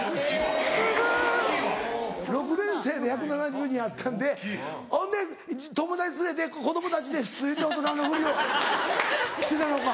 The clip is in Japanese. すごい！６年生で１７２ｃｍあったんでほんで友達連れて子供たちで大人のふりをしてたのか。